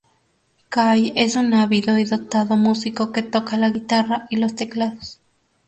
Kay es un ávido y dotado músico que toca la guitarra y los teclados.